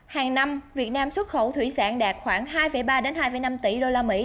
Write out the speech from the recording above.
hàng năm việt nam xuất khẩu thủy sản đạt khoảng hai ba hai năm tỷ usd